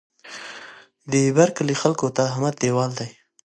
د بر کلي خلکو ته احمد دېوال دی.